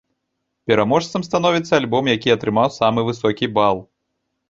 Пераможцам становіцца альбом, які атрымаў самы высокі бал.